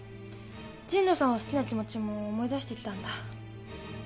神野さんを好きな気持ちも思い出してきたんだ。